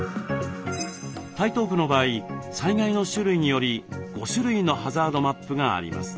台東区の場合災害の種類により５種類のハザードマップがあります。